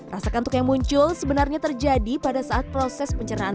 rasa kantuk yang muncul sebenarnya terjadi pada saat proses pencernaan